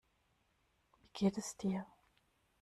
Wie geht es dir?